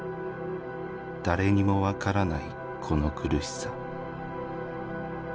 だれにもわからないこの苦しさ」。